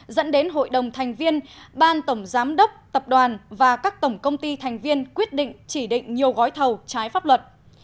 dẫn đến hội đồng thành viên ban tổng giám đốc tập đoàn và các tổng công ty thành viên quyết định chỉ định nhiều gói thầu trái pháp luật